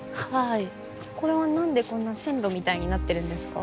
これは何でこんな線路みたいになっているんですか？